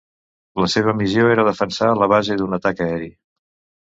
La seva missió era defensar la base d'un atac aeri.